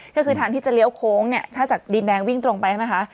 ก็คือทางที่จะเลี้ยวโค้งเนี่ยถ้าจากดินแดงวิ่งตรงไปใช่ไหมคะ